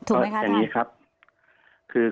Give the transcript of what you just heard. ถูกไหมครับท่าน